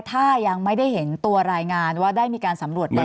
ถ้ายังไม่ได้เห็นตัวรายงานว่าได้มีการสำรวจไหม